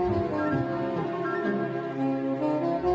di sana tak ku lupa ku